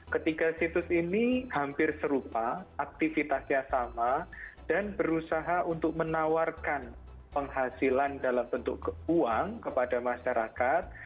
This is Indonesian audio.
ketiga situs ini hampir serupa aktivitasnya sama dan berusaha untuk menawarkan penghasilan dalam bentuk uang kepada masyarakat